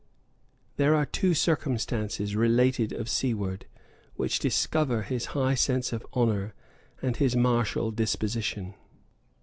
There are two circumstances related of Siward, which discover his high sense of honor, and his martial disposition.